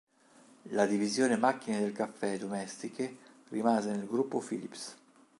La divisione macchine del caffè domestiche rimane nel gruppo Philips.